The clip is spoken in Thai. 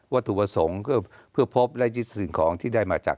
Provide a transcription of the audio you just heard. วัตถุผสมเพื่อพบได้จิตชื่นของที่ได้มาจาก